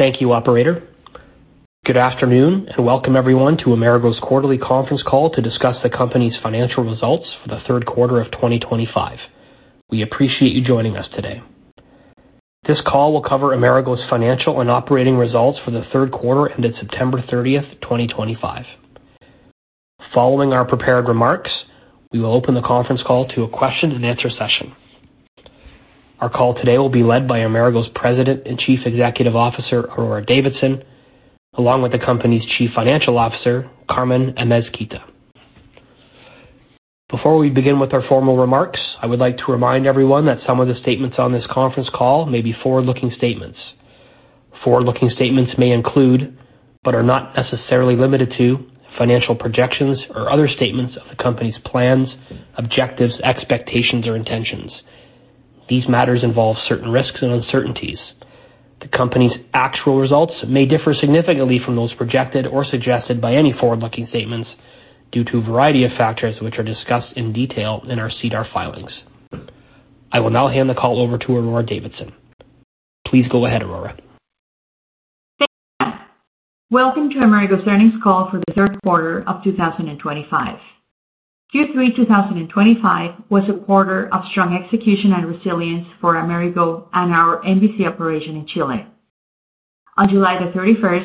Thank you, Operator. Good afternoon and welcome everyone to Amerigo Resources' quarterly conference call to discuss the company's financial results for the third quarter of 2025. We appreciate you joining us today. This call will cover Amerigo Resources' financial and operating results for the third quarter ended September 30, 2025. Following our prepared remarks, we will open the conference call to a question-and-answer session. Our call today will be led by Amerigo Resources' President and Chief Executive Officer, Aurora Davidson, along with the company's Chief Financial Officer, Carmen Amezquita. Before we begin with our formal remarks, I would like to remind everyone that some of the statements on this conference call may be forward-looking statements. Forward-looking statements may include, but are not necessarily limited to, financial projections or other statements of the company's plans, objectives, expectations, or intentions. These matters involve certain risks and uncertainties. The company's actual results may differ significantly from those projected or suggested by any forward-looking statements due to a variety of factors which are discussed in detail in our CDAR filings. I will now hand the call over to Aurora Davidson. Please go ahead, Aurora. Thank you. Welcome to Amerigo's earnings call for the third quarter of 2025. Q3 2025 was a quarter of strong execution and resilience for Amerigo and our MVC operation in Chile. On July 31,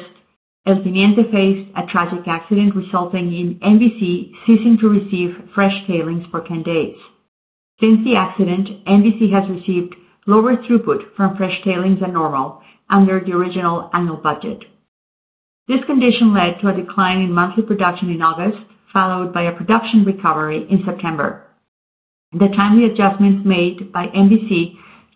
El Teniente faced a tragic accident resulting in MVC ceasing to receive fresh tailings for 10 days. Since the accident, MVC has received lower throughput from fresh tailings than normal under the original annual budget. This condition led to a decline in monthly production in August, followed by a production recovery in September. The timely adjustments made by MVC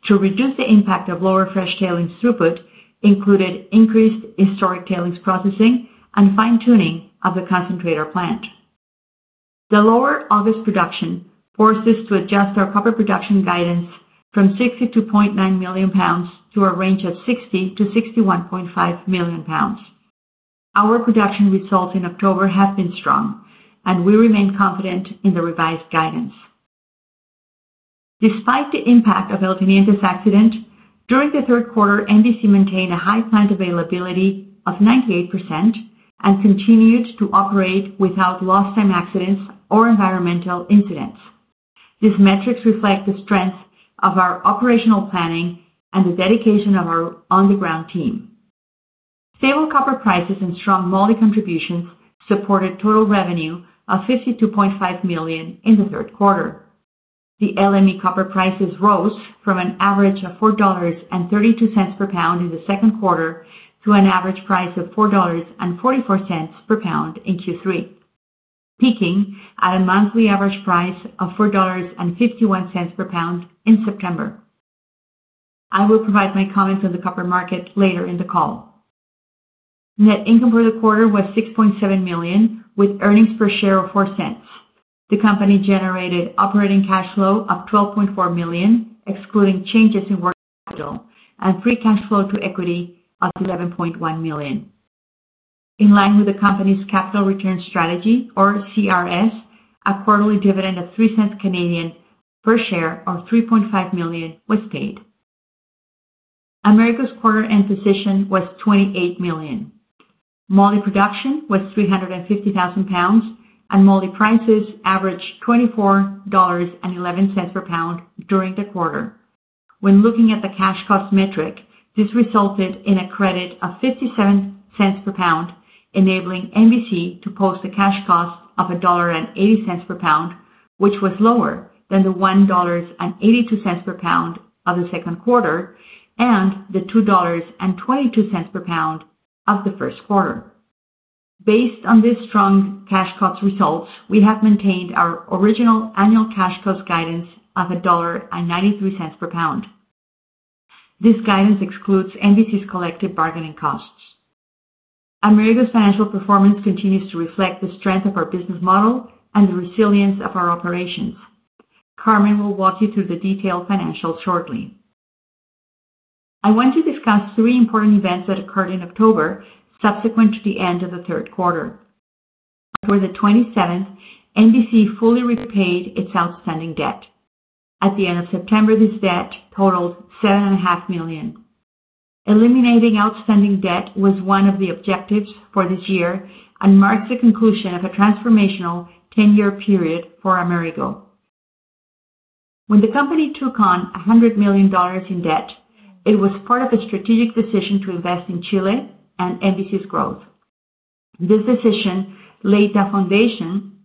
to reduce the impact of lower fresh tailings throughput included increased historic tailings processing and fine-tuning of the concentrator plant. The lower August production forced us to adjust our copper production guidance from 62.9 million pounds to a range of 60 million-61.5 million pounds. Our production results in October have been strong, and we remain confident in the revised guidance. Despite the impact of El Teniente's accident, during the third quarter, MVC maintained a high plant availability of 98% and continued to operate without lost-time accidents or environmental incidents. These metrics reflect the strength of our operational planning and the dedication of our on-the-ground team. Stable copper prices and strong MOLY contributions supported total revenue of $52.5 million in the third quarter. The LME copper prices rose from an average of $4.32 per pound in the second quarter to an average price of $4.44 per pound in Q3, peaking at a monthly average price of $4.51 per pound in September. I will provide my comments on the copper market later in the call. Net income for the quarter was $6.7 million, with earnings per share of $0.04. The company generated operating cash flow of $12.4 million, excluding changes in working capital, and free cash flow to equity of $11.1 million. In line with the company's capital return strategy, or CRS, a quarterly dividend of CA$0.03 per share, or $3.5 million, was paid. Amerigo's quarter-end position was $28 million. MOLY production was 350,000 pounds, and MOLY prices averaged $24.11 per pound during the quarter. When looking at the cash cost metric, this resulted in a credit of $0.57 per pound, enabling MVC to post a cash cost of $1.80 per pound, which was lower than the $1.82 per pound of the second quarter and the $2.22 per pound of the first quarter. Based on these strong cash cost results, we have maintained our original annual cash cost guidance of $1.93 per pound. This guidance excludes MVC's collective bargaining costs. Amerigo's financial performance continues to reflect the strength of our business model and the resilience of our operations. Carmen will walk you through the detailed financials shortly. I want to discuss three important events that occurred in October subsequent to the end of the third quarter. On the 27th, MVC fully repaid its outstanding debt. At the end of September, this debt totaled $7.5 million. Eliminating outstanding debt was one of the objectives for this year and marked the conclusion of a transformational 10-year period for Amerigo. When the company took on $100 million in debt, it was part of a strategic decision to invest in Chile and MVC's growth. This decision laid the foundation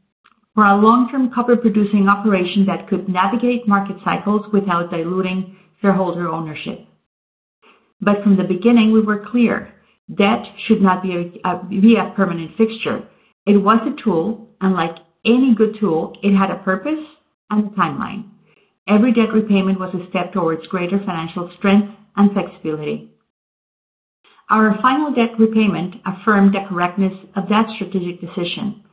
for a long-term copper-producing operation that could navigate market cycles without diluting shareholder ownership. From the beginning, we were clear: debt should not be a permanent fixture. It was a tool, and like any good tool, it had a purpose and a timeline. Every debt repayment was a step towards greater financial strength and flexibility. Our final debt repayment affirmed the correctness of that strategic decision.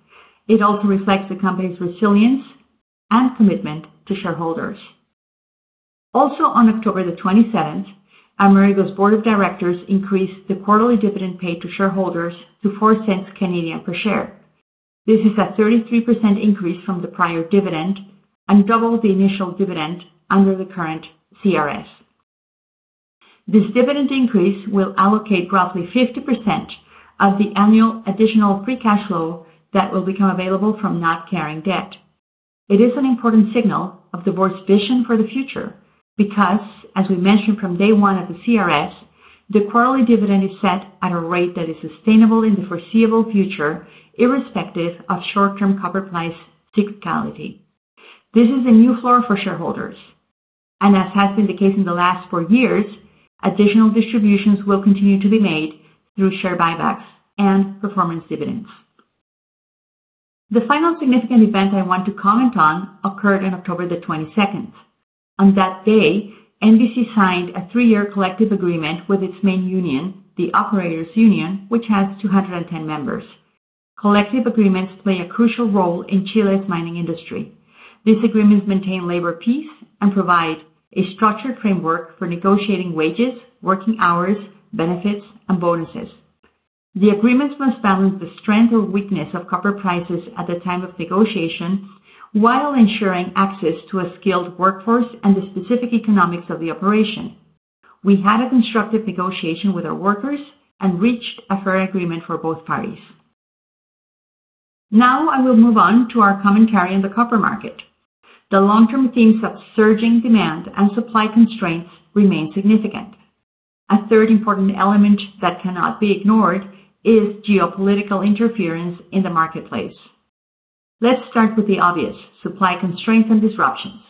It also reflects the company's resilience and commitment to shareholders. Also, on October 27th, Amerigo's board of directors increased the quarterly dividend paid to shareholders to $0.04 Canadian per share. This is a 33% increase from the prior dividend and double the initial dividend under the current CRS. This dividend increase will allocate roughly 50% of the annual additional free cash flow that will become available from not carrying debt. It is an important signal of the board's vision for the future because, as we mentioned from day one at the CRS, the quarterly dividend is set at a rate that is sustainable in the foreseeable future, irrespective of short-term copper price cyclicality. This is a new floor for shareholders, and as has been the case in the last four years, additional distributions will continue to be made through share buybacks and performance dividends. The final significant event I want to comment on occurred on October 22nd. On that day, MVC signed a three-year collective agreement with its main union, the Operators Union, which has 210 members. Collective agreements play a crucial role in Chile's mining industry. These agreements maintain labor peace and provide a structured framework for negotiating wages, working hours, benefits, and bonuses. The agreements must balance the strength or weakness of copper prices at the time of negotiation while ensuring access to a skilled workforce and the specific economics of the operation. We had a constructive negotiation with our workers and reached a fair agreement for both parties. Now, I will move on to our commentary on the copper market. The long-term themes of surging demand and supply constraints remain significant. A third important element that cannot be ignored is geopolitical interference in the marketplace. Let's start with the obvious: supply constraints and disruptions.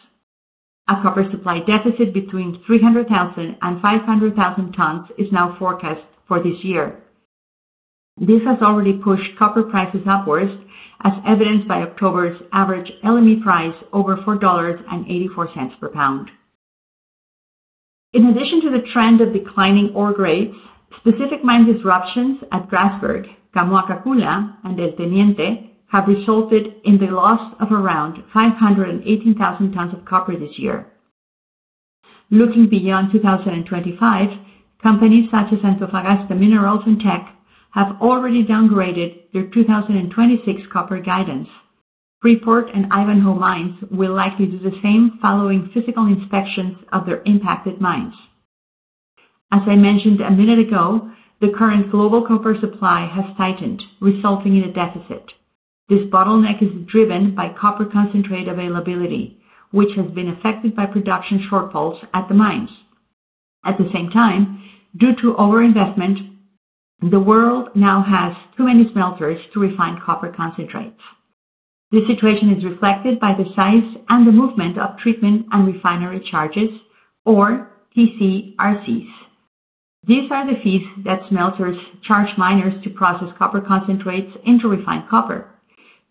A copper supply deficit between 300,000 and 500,000 tons is now forecast for this year. This has already pushed copper prices upwards, as evidenced by October's average LME price over $4.84 per pound. In addition to the trend of declining ore grades, specific mine disruptions at Grasberg, Kamoa-Kakula, and El Teniente have resulted in the loss of around 518,000 tons of copper this year. Looking beyond 2025, companies such as Antofagasta Minerals and Teck have already downgraded their 2026 copper guidance. Freeport and Ivanhoe Mines will likely do the same following physical inspections of their impacted mines. As I mentioned a minute ago, the current global copper supply has tightened, resulting in a deficit. This bottleneck is driven by copper concentrate availability, which has been affected by production shortfalls at the mines. At the same time, due to overinvestment, the world now has too many smelters to refine copper concentrates. This situation is reflected by the size and the movement of treatment and refining charges, or TCRCs. These are the fees that smelters charge miners to process copper concentrates into refined copper.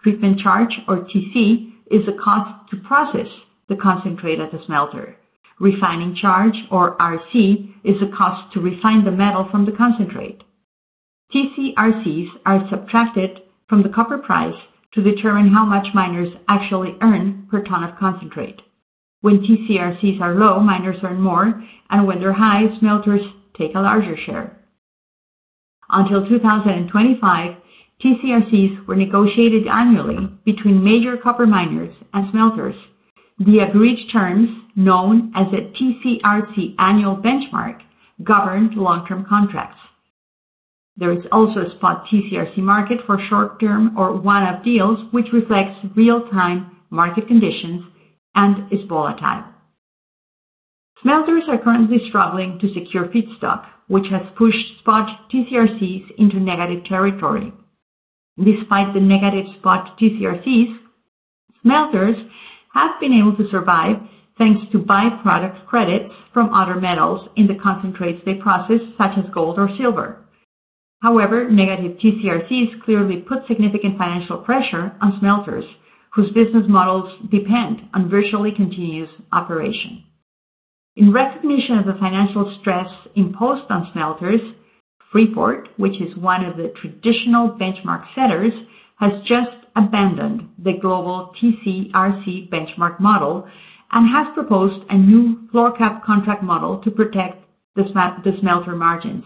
Treatment charge, or TC, is the cost to process the concentrate at the smelter. Refining charge, or RC, is the cost to refine the metal from the concentrate. TCRCs are subtracted from the copper price to determine how much miners actually earn per ton of concentrate. When TCRCs are low, miners earn more, and when they're high, smelters take a larger share. Until 2025, TCRCs were negotiated annually between major copper miners and smelters via breach terms known as a TCRC annual benchmark governed long-term contracts. There is also a spot TCRC market for short-term or one-up deals, which reflects real-time market conditions and is volatile. Smelters are currently struggling to secure feedstock, which has pushed spot TCRCs into negative territory. Despite the negative spot TCRCs, smelters have been able to survive thanks to byproduct credits from other metals in the concentrates they process, such as gold or silver. However, negative TCRCs clearly put significant financial pressure on smelters, whose business models depend on virtually continuous operation. In recognition of the financial stress imposed on smelters, Freeport, which is one of the traditional benchmark setters, has just abandoned the global TCRC benchmark model and has proposed a new floor cap contract model to protect the smelter margins.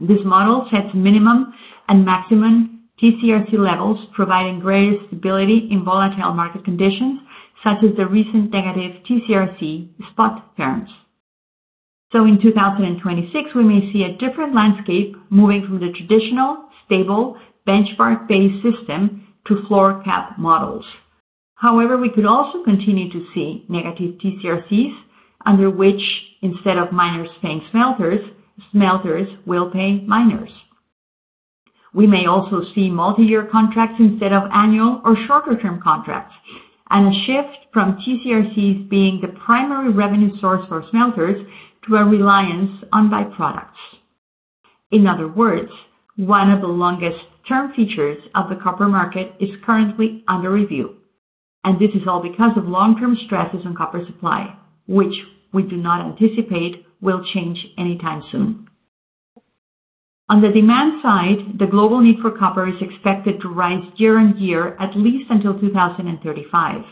This model sets minimum and maximum TCRC levels, providing greater stability in volatile market conditions, such as the recent negative TCRC spot terms. In 2026, we may see a different landscape moving from the traditional stable benchmark-based system to floor cap models. However, we could also continue to see negative TCRCs under which, instead of miners paying smelters, smelters will pay miners. We may also see multi-year contracts instead of annual or shorter-term contracts, and a shift from TCRCs being the primary revenue source for smelters to a reliance on byproducts. In other words, one of the longest-term features of the copper market is currently under review, and this is all because of long-term stresses on copper supply, which we do not anticipate will change anytime soon. On the demand side, the global need for copper is expected to rise year on year, at least until 2035.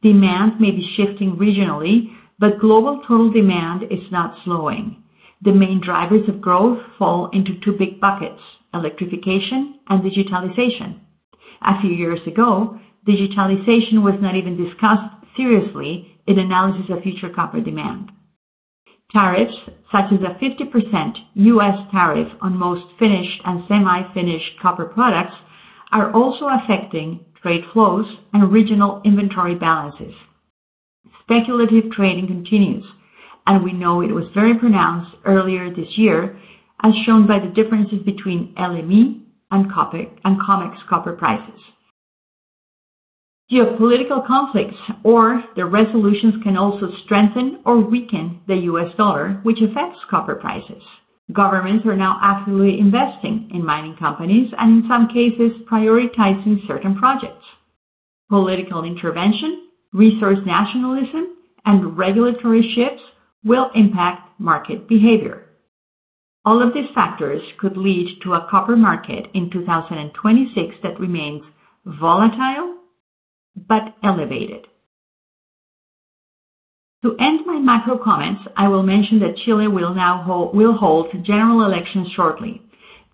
Demand may be shifting regionally, but global total demand is not slowing. The main drivers of growth fall into two big buckets: electrification and digitalization. A few years ago, digitalization was not even discussed seriously in analysis of future copper demand. Tariffs, such as a 50% U.S. tariff on most finished and semi-finished copper products, are also affecting trade flows and regional inventory balances. Speculative trading continues, and we know it was very pronounced earlier this year, as shown by the differences between LME and COMEX copper prices. Geopolitical conflicts or their resolutions can also strengthen or weaken the U.S. dollar, which affects copper prices. Governments are now actively investing in mining companies and, in some cases, prioritizing certain projects. Political intervention, resource nationalism, and regulatory shifts will impact market behavior. All of these factors could lead to a copper market in 2026 that remains volatile but elevated. To end my macro comments, I will mention that Chile will now hold general elections shortly.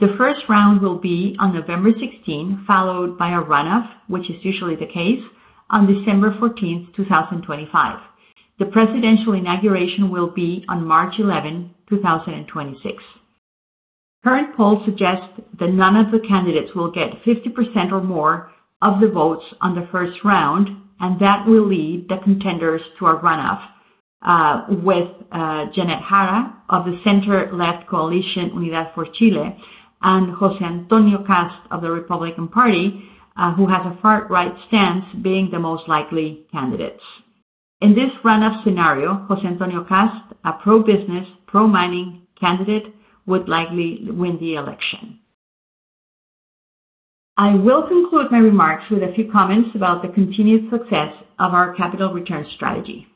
The first round will be on November 16, followed by a run-up, which is usually the case, on December 14, 2025. The presidential inauguration will be on March 11, 2026. Current polls suggest that none of the candidates will get 50% or more of the votes on the first round, and that will lead the contenders to a run-up. With Janet Jara of the center-left coalition Unidad por Chile and José Antonio Cast of the Republican Party, who has a far-right stance, being the most likely candidates. In this run-up scenario, José Antonio Cast, a pro-business, pro-mining candidate, would likely win the election. I will conclude my remarks with a few comments about the continued success of our capital return strategy.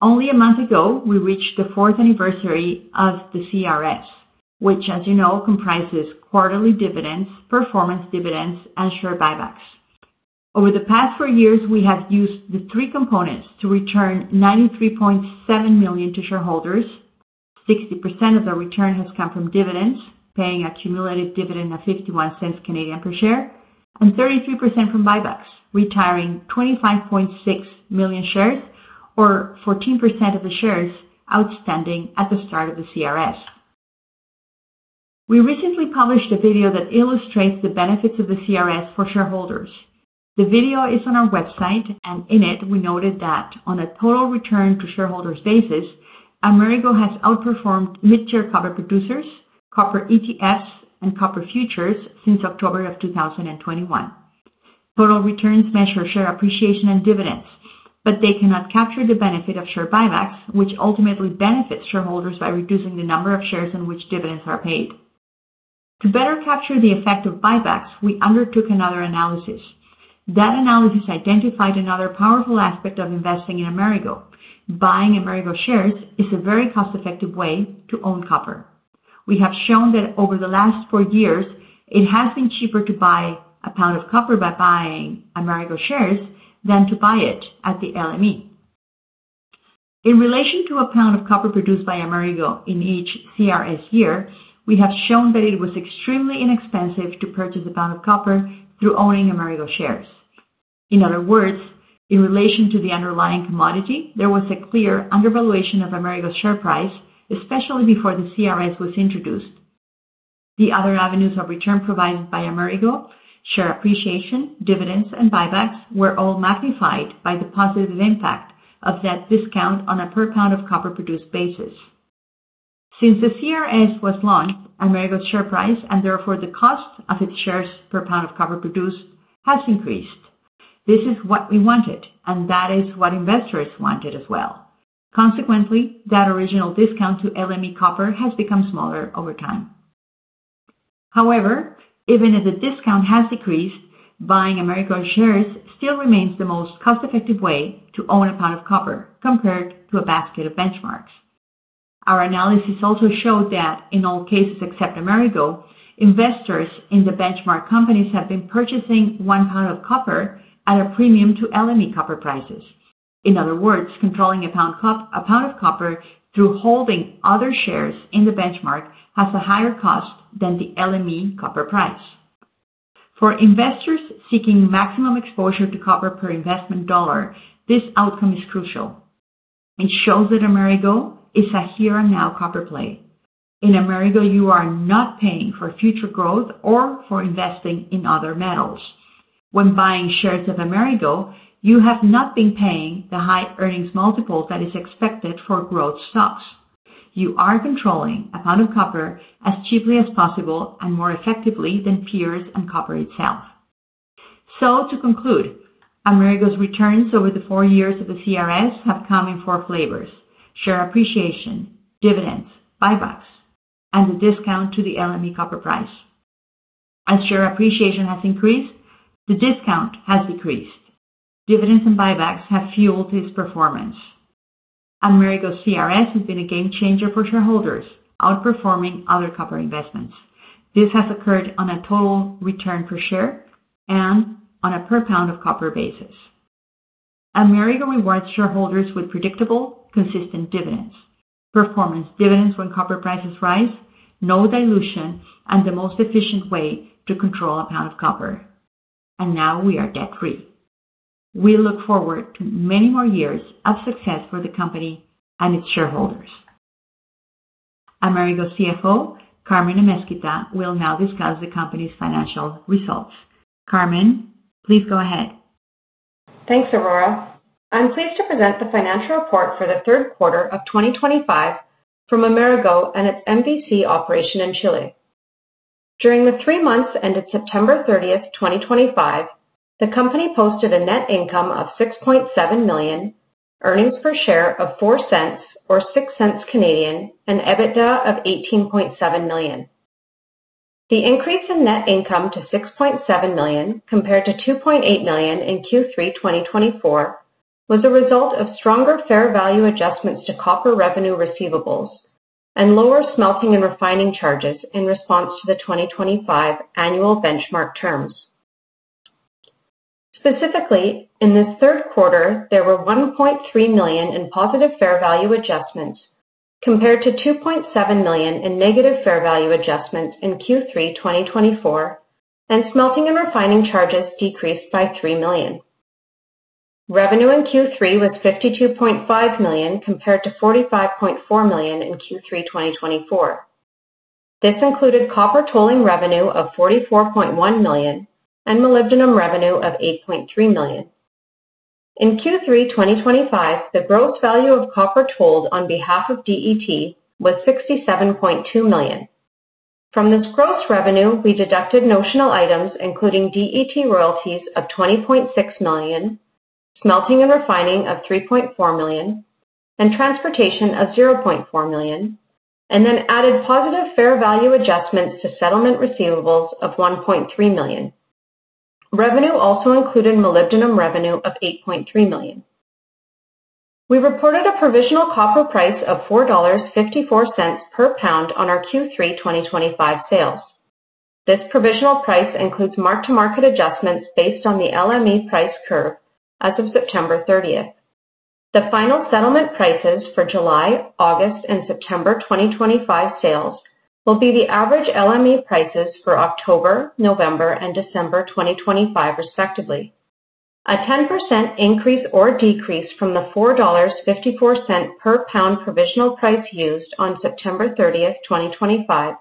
Only a month ago, we reached the fourth anniversary of the CRS, which, as you know, comprises quarterly dividends, performance dividends, and share buybacks. Over the past four years, we have used the three components to return $93.7 million to shareholders. 60% of the return has come from dividends, paying a cumulative dividend of $0.51 Canadian per share, and 33% from buybacks, retiring 25.6 million shares or 14% of the shares outstanding at the start of the CRS. We recently published a video that illustrates the benefits of the CRS for shareholders. The video is on our website, and in it, we noted that on a total return to shareholders' basis, Amerigo Resources has outperformed mid-tier copper producers, copper ETFs, and copper futures since October of 2021. Total returns measure share appreciation and dividends, but they cannot capture the benefit of share buybacks, which ultimately benefits shareholders by reducing the number of shares in which dividends are paid. To better capture the effect of buybacks, we undertook another analysis. That analysis identified another powerful aspect of investing in Amerigo Resources. Buying Amerigo Resources shares is a very cost-effective way to own copper. We have shown that over the last four years, it has been cheaper to buy a pound of copper by buying Amerigo Resources shares than to buy it at the LME. In relation to a pound of copper produced by Amerigo in each CRS year, we have shown that it was extremely inexpensive to purchase a pound of copper through owning Amerigo shares. In other words, in relation to the underlying commodity, there was a clear undervaluation of Amerigo's share price, especially before the CRS was introduced. The other avenues of return provided by Amerigo, share appreciation, dividends, and buybacks, were all magnified by the positive impact of that discount on a per pound of copper produced basis. Since the CRS was launched, Amerigo's share price, and therefore the cost of its shares per pound of copper produced, has increased. This is what we wanted, and that is what investors wanted as well. Consequently, that original discount to LME copper has become smaller over time. However, even if the discount has decreased, buying Amerigo shares still remains the most cost-effective way to own a pound of copper compared to a basket of benchmarks. Our analysis also showed that, in all cases except Amerigo, investors in the benchmark companies have been purchasing one pound of copper at a premium to LME copper prices. In other words, controlling a pound of copper through holding other shares in the benchmark has a higher cost than the LME copper price. For investors seeking maximum exposure to copper per investment dollar, this outcome is crucial. It shows that Amerigo is a here-and-now copper play. In Amerigo, you are not paying for future growth or for investing in other metals. When buying shares of Amerigo, you have not been paying the high earnings multiple that is expected for growth stocks. You are controlling a pound of copper as cheaply as possible and more effectively than peers and copper itself. To conclude, Amerigo's returns over the four years of the CRS have come in four flavors: share appreciation, dividends, buybacks, and a discount to the LME copper price. As share appreciation has increased, the discount has decreased. Dividends and buybacks have fueled this performance. Amerigo's CRS has been a game changer for shareholders, outperforming other copper investments. This has occurred on a total return per share and on a per pound of copper basis. Amerigo rewards shareholders with predictable, consistent dividends, performance dividends when copper prices rise, no dilution, and the most efficient way to control a pound of copper. We are now debt-free. We look forward to many more years of success for the company and its shareholders. Amerigo's CFO, Carmen Amezquita, will now discuss the company's financial results. Carmen, please go ahead. Thanks, Aurora. I'm pleased to present the financial report for the third quarter of 2025 from Amerigo and its MVC operation in Chile. During the three months ended September 30, 2025, the company posted a net income of $6.7 million, earnings per share of $0.04 or 0.06, and EBITDA of $18.7 million. The increase in net income to $6.7 million compared to $2.8 million in Q3 2024 was a result of stronger fair value adjustments to copper revenue receivables and lower smelting and refining charges in response to the 2025 annual benchmark terms. Specifically, in this third quarter, there were $1.3 million in positive fair value adjustments compared to $2.7 million in negative fair value adjustments in Q3 2024, and smelting and refining charges decreased by $3 million. Revenue in Q3 was $52.5 million compared to $45.4 million in Q3 2024. This included copper tolling revenue of $44.1 million and molybdenum revenue of $8.3 million. In Q3 2025, the gross value of copper tolled on behalf of DET was $67.2 million. From this gross revenue, we deducted notional items, including DET royalties of $20.6 million, smelting and refining of $3.4 million, and transportation of $0.4 million, and then added positive fair value adjustments to settlement receivables of $1.3 million. Revenue also included molybdenum revenue of $8.3 million. We reported a provisional copper price of $4.54 per pound on our Q3 2025 sales. This provisional price includes mark-to-market adjustments based on the LME price curve as of September 30. The final settlement prices for July, August, and September 2025 sales will be the average LME prices for October, November, and December 2025, respectively. A 10% increase or decrease from the $4.54 per pound provisional price used on September 30, 2025,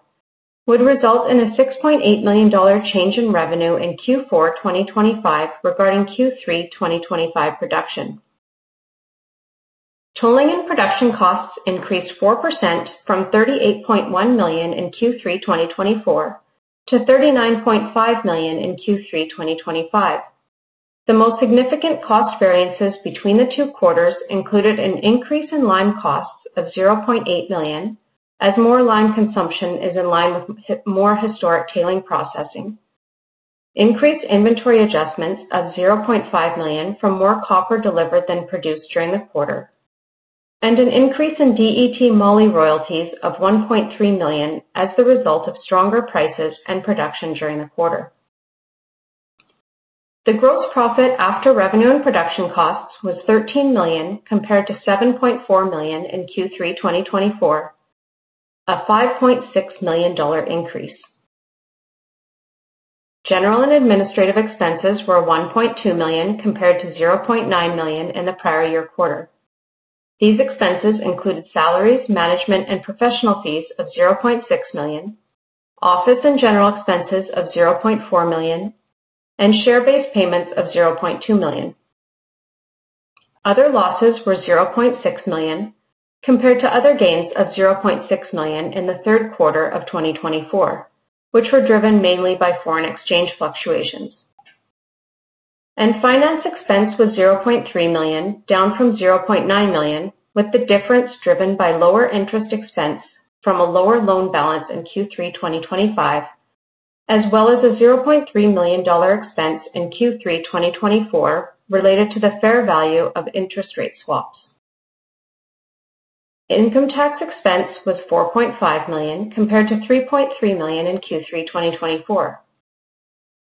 would result in a $6.8 million change in revenue in Q4 2025 regarding Q3 2025 production. Tolling and production costs increased 4% from $38.1 million in Q3 2024 to $39.5 million in Q3 2025. The most significant cost variances between the two quarters included an increase in lime costs of $0.8 million, as more lime consumption is in line with more historic tailings processing. Increased inventory adjustments of $0.5 million from more copper delivered than produced during the quarter. An increase in DET moly royalties of $1.3 million was the result of stronger prices and production during the quarter. The gross profit after revenue and production costs was $13 million compared to $7.4 million in Q3 2024, a $5.6 million increase. General and administrative expenses were $1.2 million compared to $0.9 million in the prior year quarter. These expenses included salaries, management, and professional fees of $0.6 million, office and general expenses of $0.4 million, and share-based payments of $0.2 million. Other losses were $0.6 million compared to other gains of $0.6 million in the third quarter of 2024, which were driven mainly by foreign exchange fluctuations. Finance expense was $0.3 million, down from $0.9 million, with the difference driven by lower interest expense from a lower loan balance in Q3 2025, as well as a $0.3 million expense in Q3 2024 related to the fair value of interest rate swaps. Income tax expense was $4.5 million compared to $3.3 million in Q3 2024.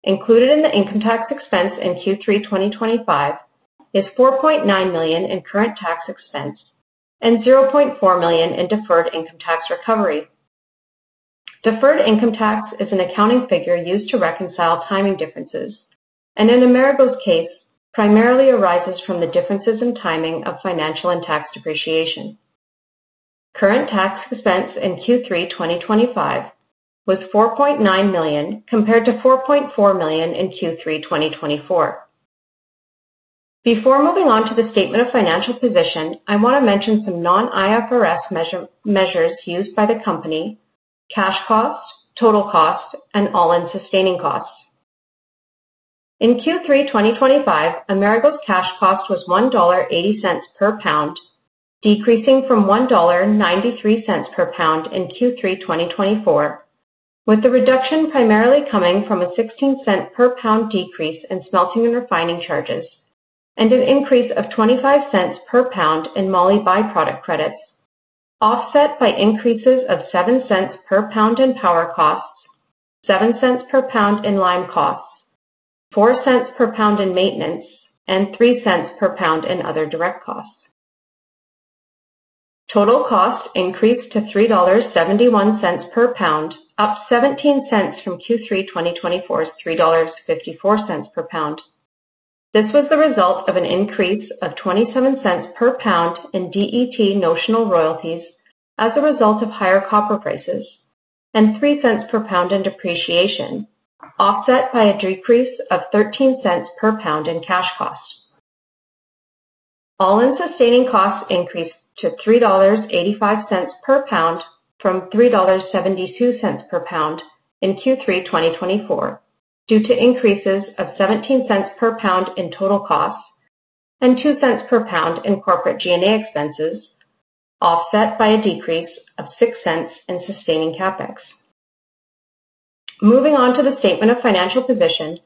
Included in the income tax expense in Q3 2025 is $4.9 million in current tax expense and $0.4 million in deferred income tax recovery. Deferred income tax is an accounting figure used to reconcile timing differences and, in Amerigo's case, primarily arises from the differences in timing of financial and tax depreciation. Current tax expense in Q3 2025 was $4.9 million compared to $4.4 million in Q3 2024. Before moving on to the statement of financial position, I want to mention some non-IFRS measures used by the company: cash cost, total cost, and all-in sustaining costs. In Q3 2025, Amerigo's cash cost was $1.80 per pound, decreasing from $1.93 per pound in Q3 2024, with the reduction primarily coming from a $0.16 per pound decrease in smelting and refining charges and an increase of $0.25 per pound in moly byproduct credits, offset by increases of $0.07 per pound in power costs, $0.07 per pound in lime costs, $0.04 per pound in maintenance, and $0.03 per pound in other direct costs. Total cost increased to $3.71 per pound, up $0.17 from Q3 2024's $3.54 per pound. This was the result of an increase of $0.27 per pound in DET notional royalties as a result of higher copper prices and $0.03 per pound in depreciation, offset by a decrease of $0.13 per pound in cash cost. All-in sustaining costs increased to $3.85 per pound from $3.72 per pound in Q3 2024 due to increases of $0.17 per pound in total costs and $0.02 per pound in corporate G&A expenses, offset by a decrease of $0.06 in sustaining CapEx. Moving on to the statement of financial position.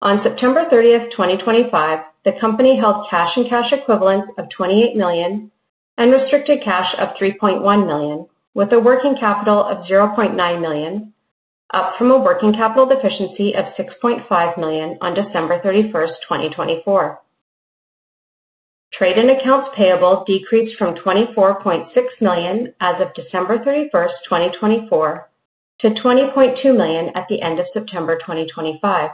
On September 30, 2025, the company held cash and cash equivalents of $28 million and restricted cash of $3.1 million, with a working capital of $0.9 million, up from a working capital deficiency of $6.5 million on December 31, 2024. Trade and accounts payable decreased from $24.6 million as of December 31, 2024, to $20.2 million at the end of September 2025.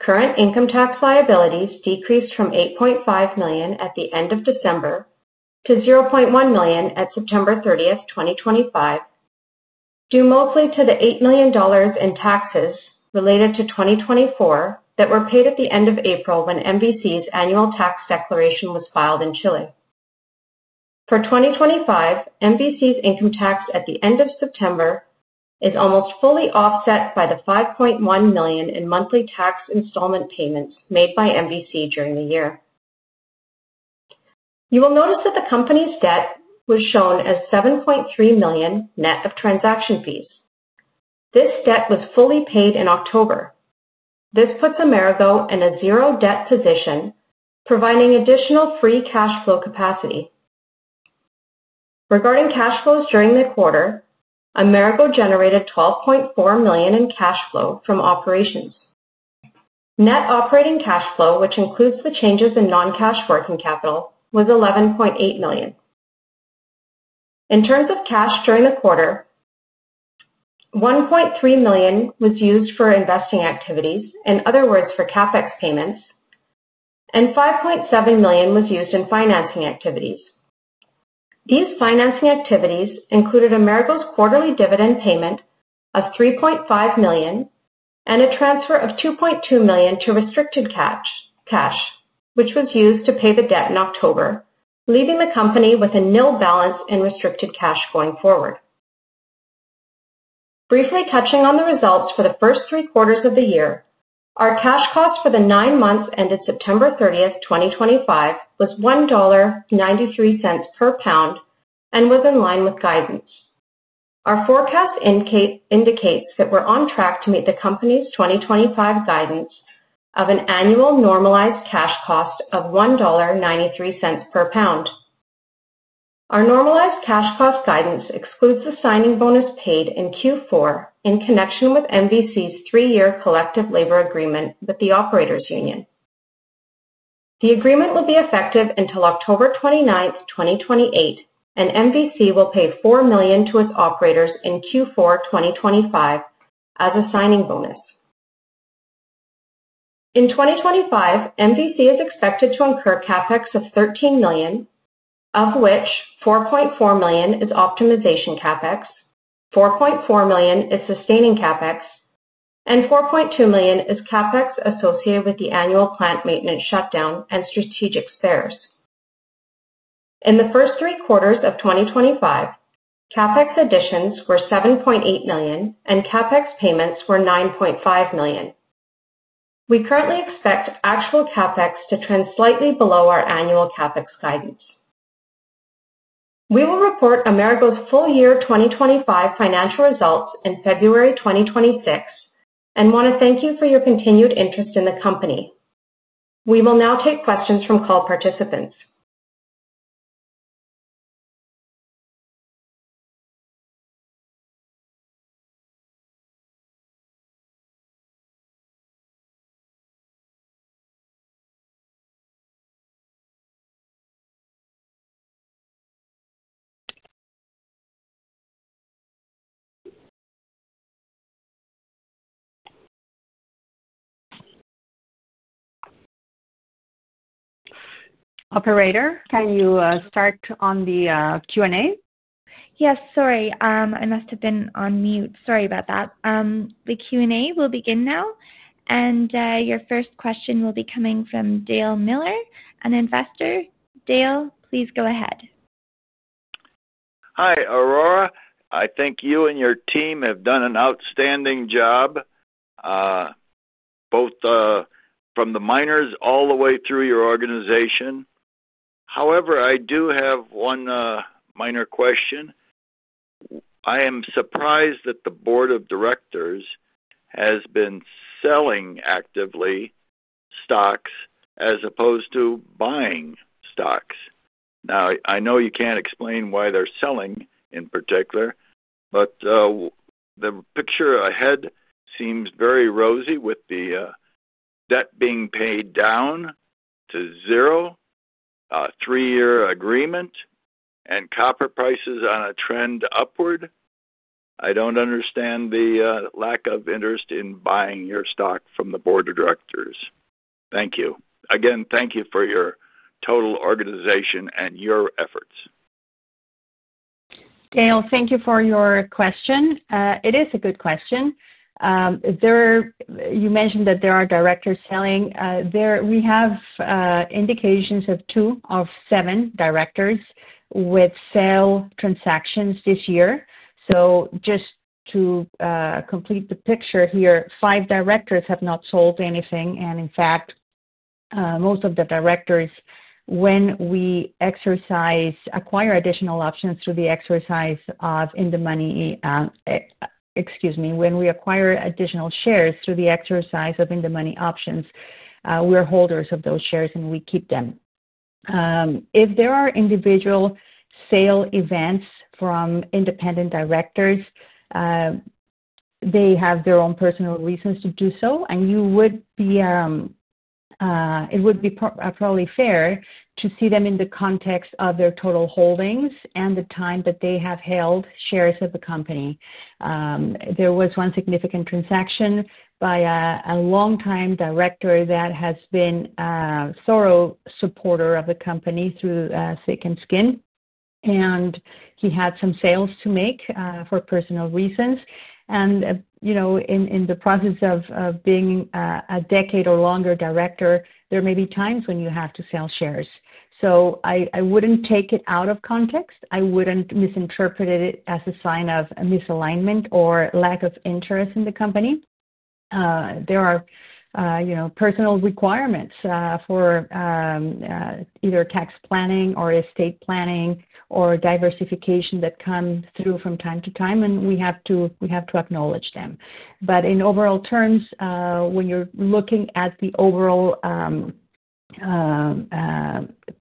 Current income tax liabilities decreased from $8.5 million at the end of December to $0.1 million at September 30, 2025, due mostly to the $8 million in taxes related to 2024 that were paid at the end of April when MVC's annual tax declaration was filed in Chile. For 2025, MVC's income tax at the end of September is almost fully offset by the $5.1 million in monthly tax installment payments made by MVC during the year. You will notice that the company's debt was shown as $7.3 million net of transaction fees. This debt was fully paid in October. This puts Amerigo in a zero debt position, providing additional free cash flow capacity. Regarding cash flows during the quarter, Amerigo generated $12.4 million in cash flow from operations. Net operating cash flow, which includes the changes in non-cash working capital, was $11.8 million. In terms of cash during the quarter, $1.3 million was used for investing activities, in other words, for CapEx payments, and $5.7 million was used in financing activities. These financing activities included Amerigo's quarterly dividend payment of $3.5 million and a transfer of $2.2 million to restricted cash, which was used to pay the debt in October, leaving the company with a nil balance in restricted cash going forward. Briefly touching on the results for the first three quarters of the year, our cash cost for the nine months ended September 30, 2025, was $1.93 per pound and was in line with guidance. Our forecast indicates that we're on track to meet the company's 2025 guidance of an annual normalized cash cost of $1.93 per pound. Our normalized cash cost guidance excludes the signing bonus paid in Q4 in connection with MVC's three-year collective labor agreement with the operators' union. The agreement will be effective until October 29, 2028, and MVC will pay $4 million to its operators in Q4 2025 as a signing bonus. In 2025, MVC is expected to incur CapEx of $13 million, of which $4.4 million is optimization CapEx, $4.4 million is sustaining CapEx, and $4.2 million is CapEx associated with the annual plant maintenance shutdown and strategic spares. In the first three quarters of 2025, CapEx additions were $7.8 million and CapEx payments were $9.5 million. We currently expect actual CapEx to trend slightly below our annual CapEx guidance. We will report Amerigo's full year 2025 financial results in February 2026 and want to thank you for your continued interest in the company. We will now take questions from call participants. Operator, can you start on the Q&A? Yes, sorry. I must have been on mute. Sorry about that. The Q&A will begin now, and your first question will be coming from Dale Miller, an investor. Dale, please go ahead. Hi, Aurora. I think you and your team have done an outstanding job, both from the miners all the way through your organization. However, I do have one minor question. I am surprised that the board of directors has been selling actively, stocks as opposed to buying stocks. Now, I know you can't explain why they're selling in particular. The picture ahead seems very rosy with the debt being paid down to zero, three-year agreement, and copper prices on a trend upward. I don't understand the lack of interest in buying your stock from the board of directors. Thank you. Again, thank you for your total organization and your efforts. Dale, thank you for your question. It is a good question. You mentioned that there are directors selling. We have indications of two of seven directors with sale transactions this year. Just to complete the picture here, five directors have not sold anything. In fact, most of the directors, when we acquire additional shares through the exercise of In the Money options, we're holders of those shares and we keep them. If there are individual sale events from independent directors, they have their own personal reasons to do so, and it would be probably fair to see them in the context of their total holdings and the time that they have held shares of the company. There was one significant transaction by a longtime director that has been. A thorough supporter of the company through thick and skin, and he had some sales to make for personal reasons. In the process of being a decade or longer director, there may be times when you have to sell shares. I wouldn't take it out of context. I wouldn't misinterpret it as a sign of a misalignment or lack of interest in the company. There are personal requirements for either tax planning or estate planning or diversification that come through from time to time, and we have to acknowledge them. In overall terms, when you're looking at the overall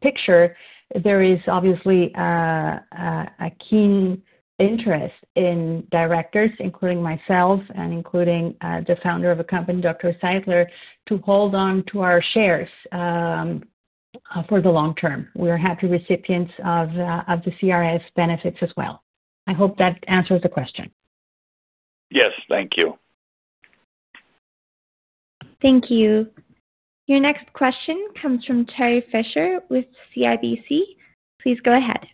picture, there is obviously a keen interest in directors, including myself and including the founder of a company, Dr. Steinkrug, to hold on to our shares for the long term. We are happy recipients of the CRS benefits as well. I hope that answers the question. Yes, thank you. Thank you. Your next question comes from Terry Fisher with CIBC. Please go ahead.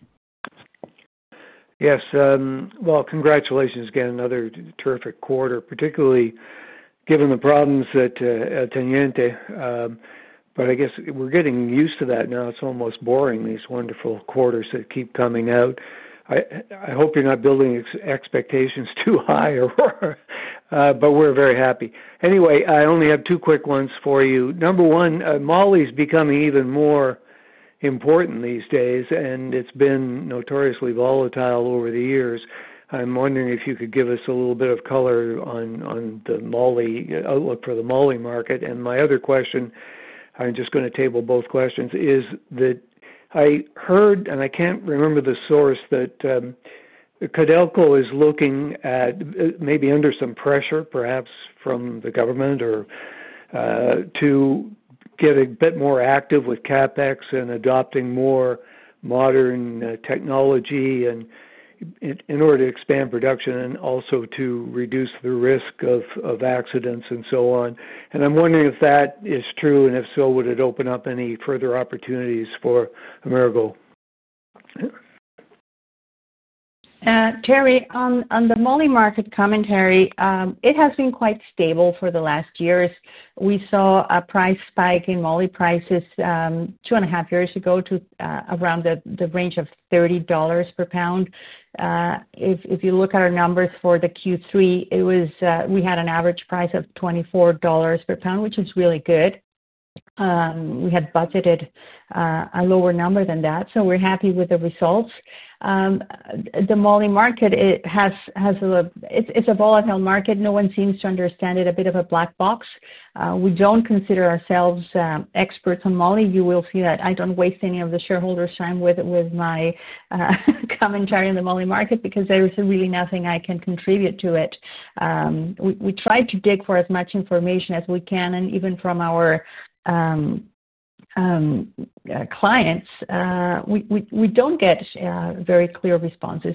Yes, congratulations again on another terrific quarter, particularly given the problems at El Teniente. I guess we're getting used to that now. It's almost boring, these wonderful quarters that keep coming out. I hope you're not building expectations too high. We're very happy. Anyway, I only have two quick ones for you. Number one, MOLY's becoming even more important these days, and it's been notoriously volatile over the years. I'm wondering if you could give us a little bit of color on the MOLY outlook for the MOLY market. My other question, I'm just going to table both questions, is that I heard, and I can't remember the source, that Codelco is looking at maybe under some pressure, perhaps from the government, to get a bit more active with CapEx and adopting more modern technology in order to expand production and also to reduce the risk of accidents and so on. I'm wondering if that is true, and if so, would it open up any further opportunities for Amerigo? Terry, on the MOLY market commentary, it has been quite stable for the last years. We saw a price spike in MOLY prices two and a half years ago to around the range of $30 per pound. If you look at our numbers for Q3, we had an average price of $24 per pound, which is really good. We had budgeted a lower number than that, so we're happy with the results. The MOLY market is a volatile market. No one seems to understand it. A bit of a black box. We don't consider ourselves experts on MOLY. You will see that I don't waste any of the shareholders' time with my commentary on the MOLY market because there is really nothing I can contribute to it. We try to dig for as much information as we can, and even from our clients, we don't get very clear responses.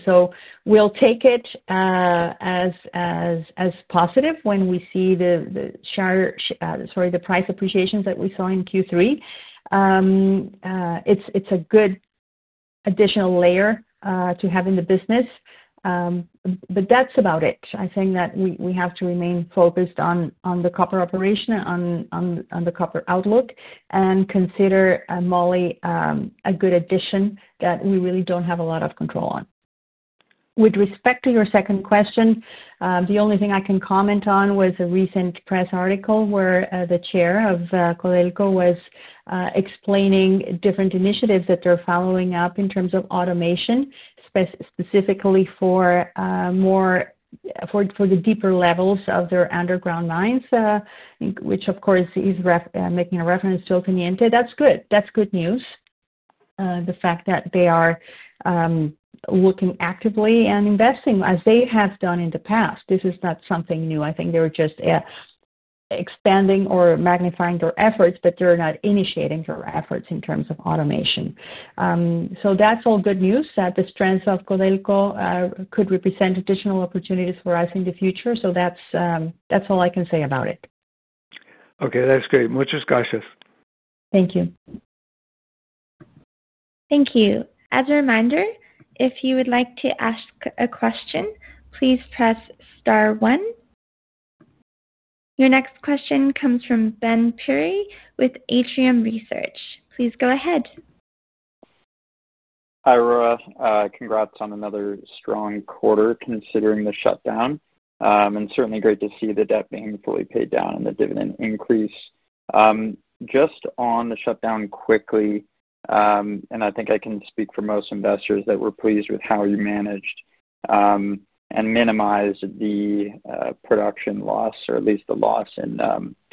We'll take it as positive when we see the, sorry, the price appreciations that we saw in Q3. It's a good additional layer to have in the business, but that's about it. I think that we have to remain focused on the copper operation, on the copper outlook, and consider MOLY a good addition that we really don't have a lot of control on. With respect to your second question, the only thing I can comment on was a recent press article where the Chair of Codelco was explaining different initiatives that they're following up in terms of automation, specifically for the deeper levels of their underground mines, which, of course, is making a reference to El Teniente. That's good news. The fact that they are looking actively and investing as they have done in the past is not something new. I think they're just expanding or magnifying their efforts, but they're not initiating their efforts in terms of automation. That's all good news, that the strength of Codelco could represent additional opportunities for us in the future. That's all I can say about it. Okay, that's great. Muchas gracias. Thank you. Thank you. As a reminder, if you would like to ask a question, please press star one. Your next question comes from Ben Pirie with Atrium Research. Please go ahead. Hi, Aurora. Congrats on another strong quarter considering the shutdown. Certainly great to see the debt being fully paid down and the dividend increase. Just on the shutdown quickly, I think I can speak for most investors that we're pleased with how you managed and minimized the production loss, or at least the loss in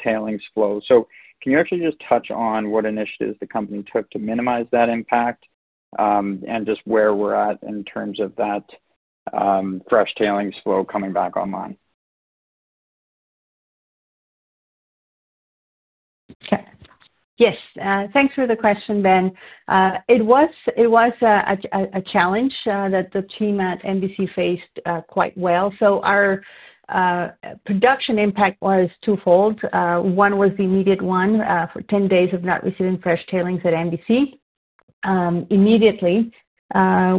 tailings flow. Can you actually just touch on what initiatives the company took to minimize that impact and just where we're at in terms of that fresh tailings flow coming back online? Yes. Thanks for the question, Ben. It was a challenge that the team at MVC faced quite well. Our production impact was twofold. One was the immediate one for 10 days of not receiving fresh tailings at MVC. Immediately,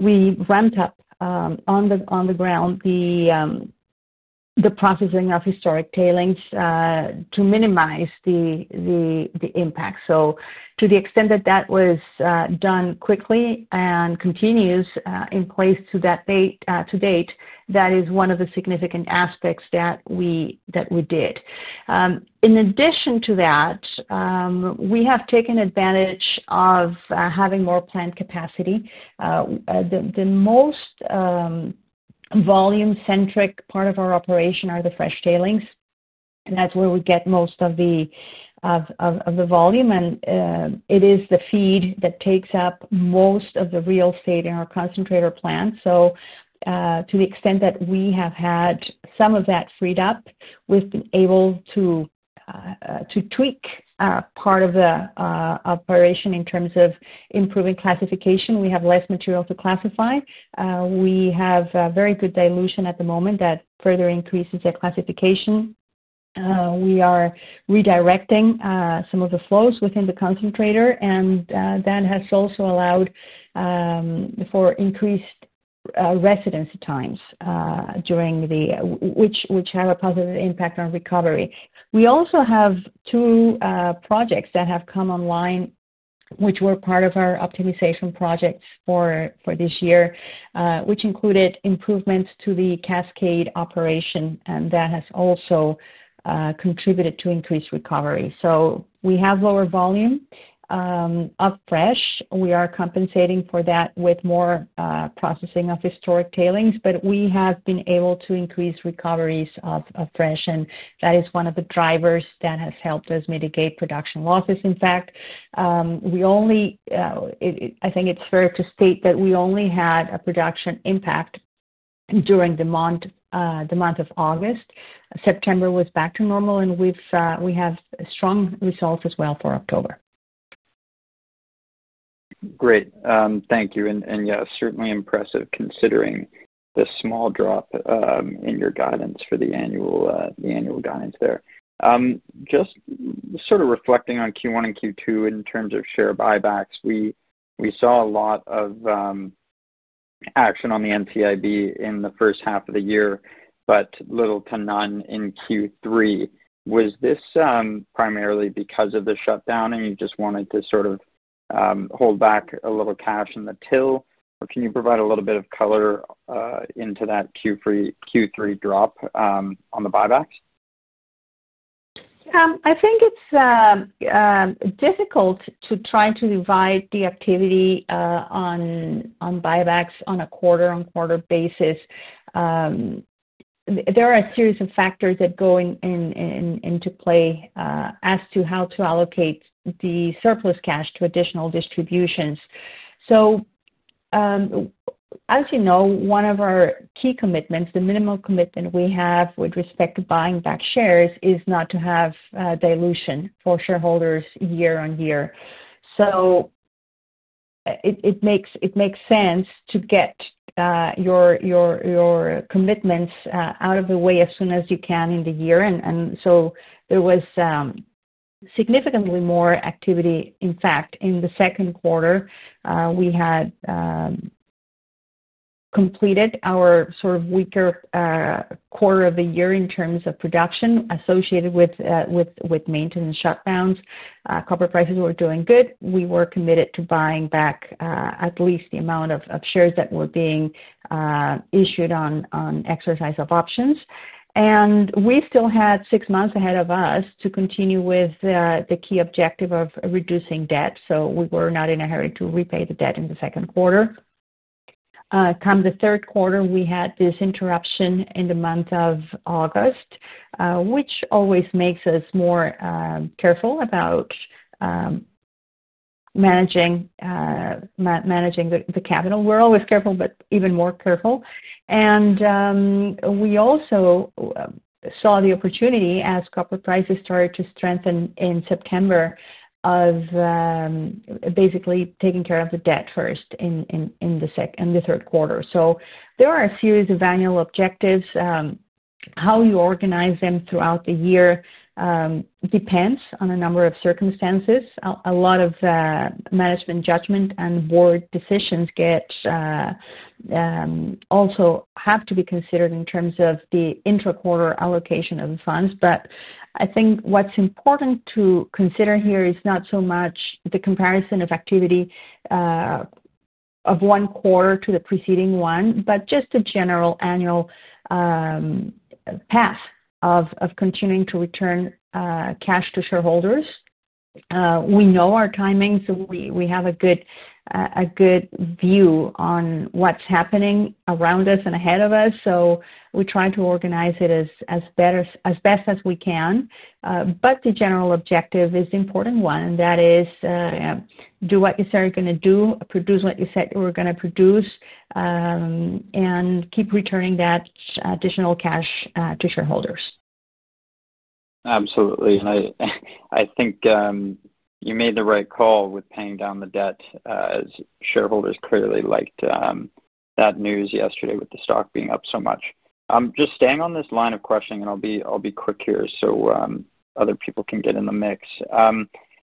we ramped up on the ground the processing of historic tailings to minimize the impact. To the extent that that was done quickly and continues in place to date, that is one of the significant aspects that we did. In addition to that, we have taken advantage of having more plant capacity. The most volume-centric part of our operation are the fresh tailings, and that's where we get most of the volume, and it is the feed that takes up most of the real estate in our concentrator plant. To the extent that we have had some of that freed up, we've been able to tweak part of the operation in terms of improving classification. We have less material to classify. We have very good dilution at the moment that further increases our classification. We are redirecting some of the flows within the concentrator, and that has also allowed for increased residence times, which have a positive impact on recovery. We also have two projects that have come online which were part of our optimization projects for this year, which included improvements to the cascade operation, and that has also contributed to increased recovery. We have lower volume of fresh. We are compensating for that with more processing of historic tailings, but we have been able to increase recoveries of fresh, and that is one of the drivers that has helped us mitigate production losses. In fact, I think it's fair to state that we only had a production impact during the month of August. September was back to normal, and we have strong results as well for October. Great, thank you. Certainly impressive considering the small drop in your guidance for the annual guidance there. Just sort of reflecting on Q1 and Q2 in terms of share buybacks, we saw a lot of action on the NCIB in the first half of the year, but little to none in Q3. Was this primarily because of the shutdown, and you just wanted to hold back a little cash in the till? Or can you provide a little bit of color into that Q3 drop on the buybacks? I think it's difficult to try to divide the activity on buybacks on a quarter-on-quarter basis. There are a series of factors that go into play as to how to allocate the surplus cash to additional distributions. As you know, one of our key commitments, the minimal commitment we have with respect to buying back shares, is not to have dilution for shareholders year on year. It makes sense to get your commitments out of the way as soon as you can in the year, and so there was significantly more activity. In fact, in the second quarter, we had completed our sort of weaker quarter of the year in terms of production associated with maintenance shutdowns. Copper prices were doing good. We were committed to buying back at least the amount of shares that were being issued on exercise of options, and we still had six months ahead of us to continue with the key objective of reducing debt. We were not in a hurry to repay the debt in the second quarter. Come the third quarter, we had this interruption in the month of August, which always makes us more careful about managing the capital. We're always careful, but even more careful. We also saw the opportunity as copper prices started to strengthen in September of basically taking care of the debt first in the third quarter. There are a series of annual objectives. How you organize them throughout the year depends on a number of circumstances, a lot of management judgment and board decisions also have to be considered in terms of the intra-quarter allocation of the funds. I think what's important to consider here is not so much the comparison of activity of one quarter to the preceding one, but just the general annual path of continuing to return cash to shareholders. We know our timing, so we have a good view on what's happening around us and ahead of us. We try to organize it as best as we can. The general objective is the important one, and that is do what you said you're going to do, produce what you said you were going to produce, and keep returning that additional cash to shareholders. Absolutely. I think you made the right call with paying down the debt as shareholders clearly liked that news yesterday with the stock being up so much. I'm just staying on this line of questioning, and I'll be quick here so other people can get in the mix.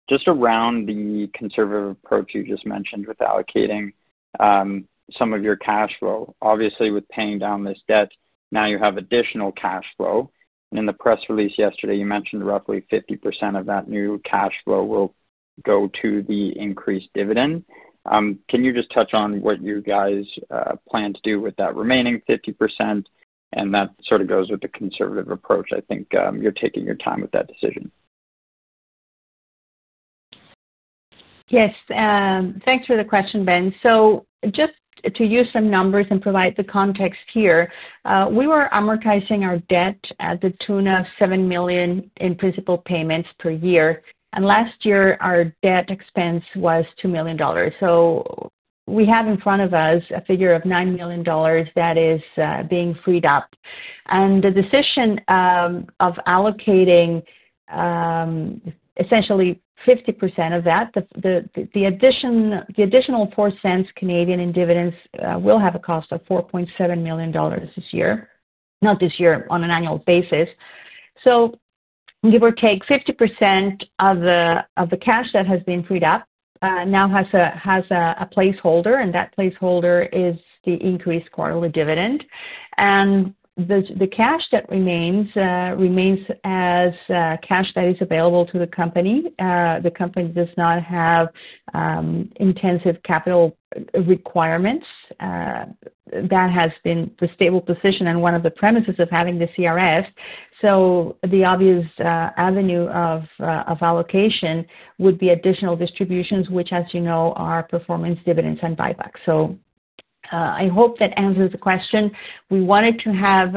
Just around the conservative approach you just mentioned with allocating some of your cash flow. Obviously, with paying down this debt, now you have additional cash flow, and in the press release yesterday, you mentioned roughly 50% of that new cash flow will go to the increased dividend. Can you just touch on what you guys plan to do with that remaining 50%? That sort of goes with the conservative approach. I think you're taking your time with that decision. Yes. Thanks for the question, Ben. To use some numbers and provide the context here, we were amortizing our debt at the tune of $7 million in principal payments per year. Last year, our debt expense was $2 million. We have in front of us a figure of $9 million that is being freed up. The decision of allocating essentially 50% of that, the additional $0.04 Canadian in dividends, will have a cost of $4.7 million on an annual basis. Give or take, 50% of the cash that has been freed up now has a placeholder, and that placeholder is the increased quarterly dividend. The cash that remains remains as cash that is available to the company. The company does not have intensive capital requirements. That has been the stable position and one of the premises of having the CRS. The obvious avenue of allocation would be additional distributions, which, as you know, are performance dividends and buybacks. I hope that answers the question. We wanted to have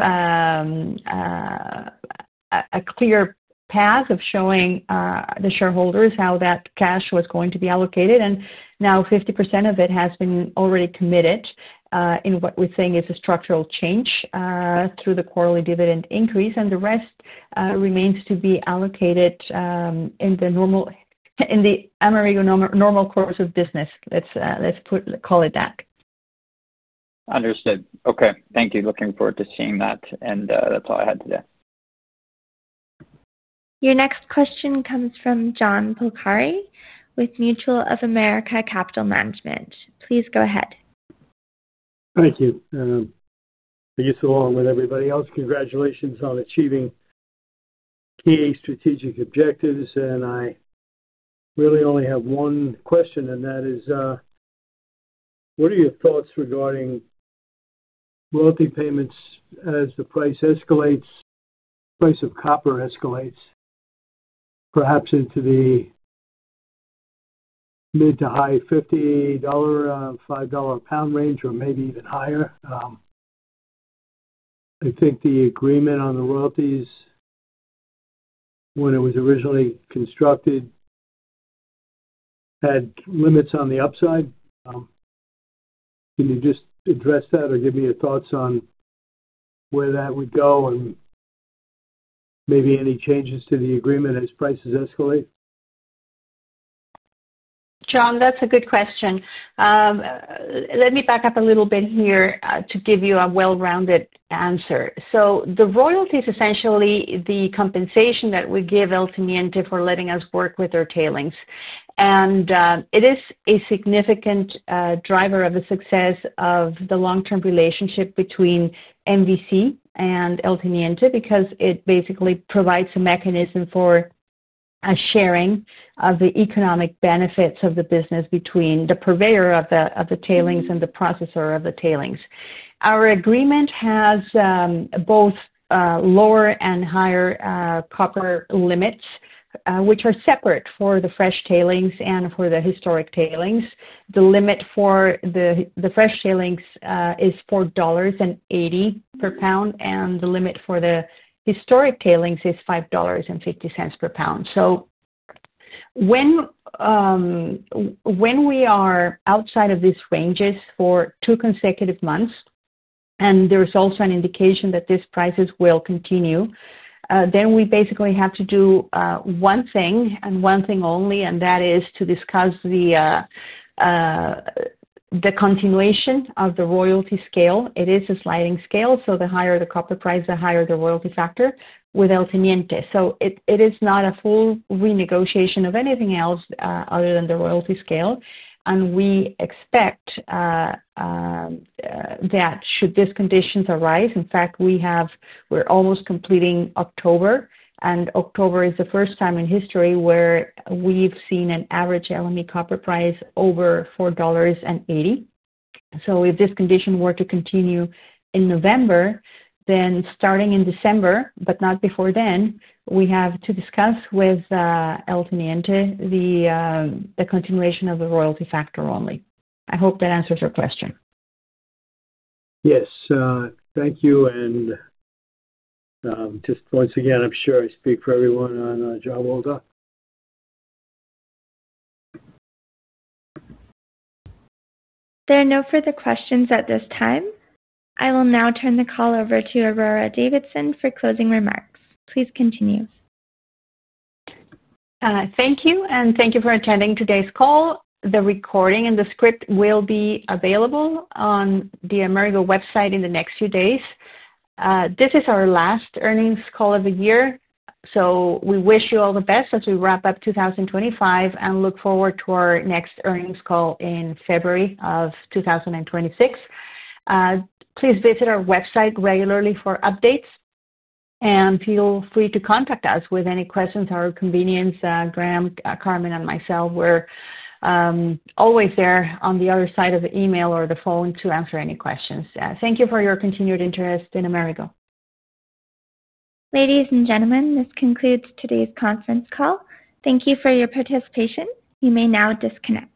a clear path of showing the shareholders how that cash was going to be allocated. Now 50% of it has been already committed in what we're seeing is a structural change through the quarterly dividend increase. The rest remains to be allocated in the Amerigo normal course of business. Let's call it that. Understood. Okay. Thank you. Looking forward to seeing that. That's all I had today. Your next question comes from John Polcari with Mutual of America Capital Management. Please go ahead. Thank you. You, along with everybody else, congratulations on achieving key strategic objectives. I really only have one question, and that is, what are your thoughts regarding royalty payments as the price escalates, price of copper escalates, perhaps into the mid to high $5.00 per pound range or maybe even higher? I think the agreement on the royalties, when it was originally constructed, had limits on the upside. Can you just address that or give me your thoughts on where that would go and maybe any changes to the agreement as prices escalate? John, that's a good question. Let me back up a little bit here to give you a well-rounded answer. The royalty is essentially the compensation that we give El Teniente for letting us work with their tailings. It is a significant driver of the success of the long-term relationship between MVC and El Teniente because it basically provides a mechanism for. Sharing of the economic benefits of the business between the purveyor of the tailings and the processor of the tailings. Our agreement has both lower and higher copper limits, which are separate for the fresh tailings and for the historic tailings. The limit for the fresh tailings is $4.80 per pound, and the limit for the historic tailings is $5.50 per pound. When we are outside of these ranges for two consecutive months, and there is also an indication that these prices will continue, we basically have to do one thing and one thing only, and that is to discuss the continuation of the royalty scale. It is a sliding scale. The higher the copper price, the higher the royalty factor with El Teniente. It is not a full renegotiation of anything else other than the royalty scale. We expect that, should these conditions arise. In fact, we're almost completing October, and October is the first time in history where we've seen an average LME copper price over $4.80. If this condition were to continue in November, then starting in December, but not before then, we have to discuss with El Teniente the continuation of the royalty factor only. I hope that answers your question. Yes. Thank you. Just once again, I'm sure I speak for everyone on Jawbalder. There are no further questions at this time. I will now turn the call over to Aurora Davidson for closing remarks. Please continue. Thank you. Thank you for attending today's call. The recording and the script will be available on the Amerigo website in the next few days. This is our last earnings call of the year, so we wish you all the best as we wrap up 2025 and look forward to our next earnings call in February of 2026. Please visit our website regularly for updates. Feel free to contact us with any questions or convenience. Graham, Carmen, and myself, we're always there on the other side of the email or the phone to answer any questions. Thank you for your continued interest in Amerigo. Ladies and gentlemen, this concludes today's conference call. Thank you for your participation. You may now disconnect.